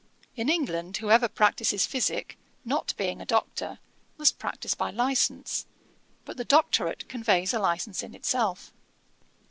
In England, whoever practises physick, not being a Doctor, must practise by a licence: but the doctorate conveys a licence in itself.